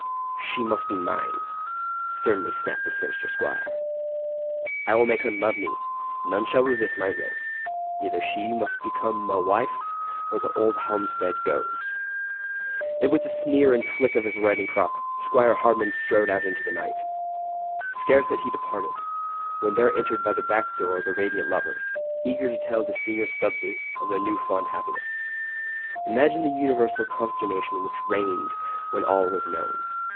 "She must be mine!" sternly snapped the sinister 'Squire. "I will make her love me—none shall resist my will! Either she becomes muh wife or the old homestead goes!" And with a sneer and flick of his riding crop 'Squire Hardman strode out into the night. Scarce had he departed, when there entered by the back door the radiant lovers, eager to tell the senior Stubbses of their new found happiness. Imagine the universal consternation which reigned when all was known!